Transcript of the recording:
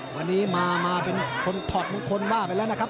วันนี้มาเป็นคนถอดมงคลว่าไปแล้วนะครับ